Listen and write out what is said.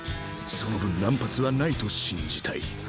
その分乱発はないと信じたい。